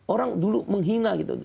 orang dulu menghina gitu